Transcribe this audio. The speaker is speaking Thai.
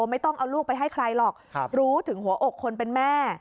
ไม่ต้องเอาลูกไปให้ใครหรอกรู้ถึงหัวอกคนเป็นแม่